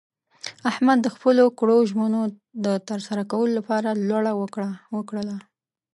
احمد د خپلو کړو ژمنو د ترسره کولو لپاره لوړه وکړله.